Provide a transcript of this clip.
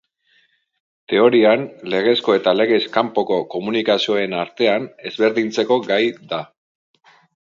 Teorian legezko eta legez kanpoko komunikazioen artean ezberdintzeko gai da.